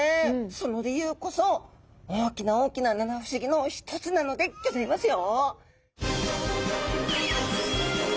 その理由こそ大きな大きな七不思議の一つなのでギョざいますよ。